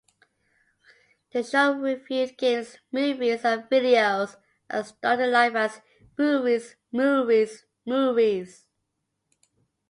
The show reviewed games, movies and videos and started life as "Movies, Movies, Movies".